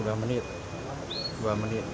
dua menit dua menit